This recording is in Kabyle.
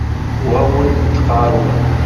Wa ur ineṭṭeq ɣer wa.